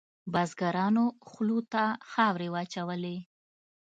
بزګرانو خولو ته خاورې واچولې.